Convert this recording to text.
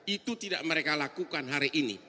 itu tidak mereka lakukan hari ini